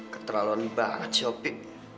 keterlaluan banget sih opi